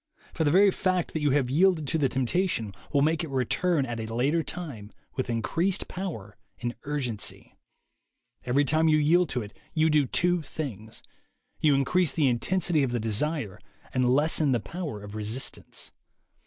For the very fact that you have yielded to the temptation will make it return at a later time with increased power and urgency. Every time you yield to it, you do two things : you increase the intensity of the desire and lessen the power of resistance.